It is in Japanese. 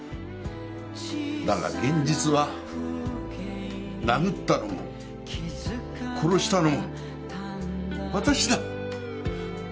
だが現実は殴ったのも殺したのも私だ。